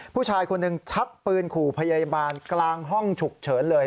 ผู้ชายคนหนึ่งชักปืนขู่พยาบาลกลางห้องฉุกเฉินเลย